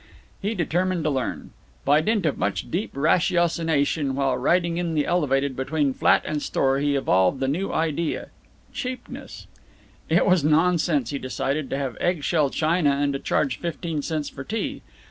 He determined to learn. By dint of much deep ratiocination while riding in the Elevated between flat and store he evolved the new idea cheapness. It was nonsense, he decided, to have egg shell china and to charge fifteen cents for tea.